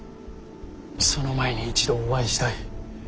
その前に一度お会いしたい。